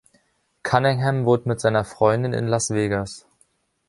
Cunningham wohnt mit seiner Freundin in Las Vegas.